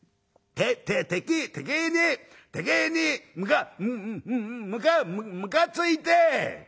「てててきにてきにむかむかむかついて」。